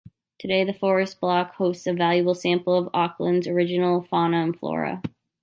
Today the forest block hosts a valuable sample of Auckland's original fauna and flora.